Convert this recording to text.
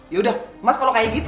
yaudah mas kalo kayak gitu